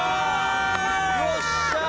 よっしゃあ！